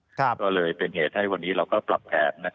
ก็เลยเป็นเหตุให้วันนี้เราก็ปรับแผน